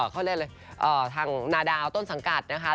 เขาเรียกอะไรทางนาดาวต้นสังกัดนะคะ